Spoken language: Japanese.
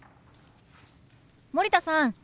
森田さん